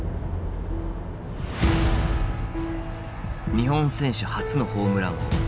日本選手初のホームラン王。